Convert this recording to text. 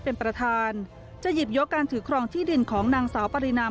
เป็นประธานจะหยิบยกการถือครองที่ดินของนางสาวปรินา